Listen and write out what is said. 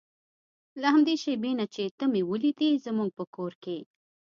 له همدې شېبې نه چې ته مې ولیدې زموږ په کور کې.